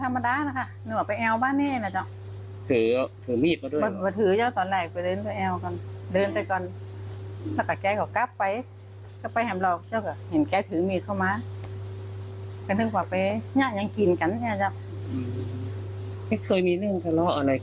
ไม่เคยมีเรื่องทะเลาะอะไรกันบ้างหรือเปล่า